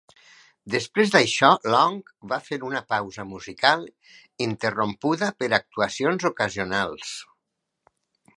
Després d'això, Long va fer una pausa musical, interrompuda per actuacions ocasionals.